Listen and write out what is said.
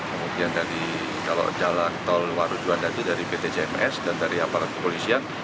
kemudian dari kalau jalan tol waru juanda itu dari pt cms dan dari aparat kepolisian